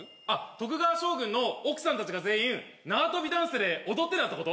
徳川将軍の奥さんたちが全員縄跳びダンスで踊ってたってこと？